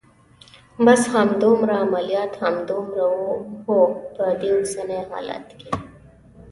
بس همدومره؟ عملیات همدومره و؟ هو، په دې اوسني حالت کې.